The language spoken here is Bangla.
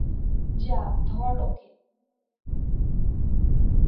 যা, ধর ওকে।